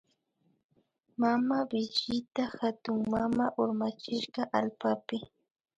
Mamawishita hatunmama urmachishka allpapi